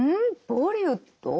ボリウッド？